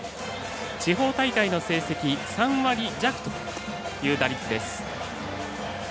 地方大会の成績３割弱という打率です。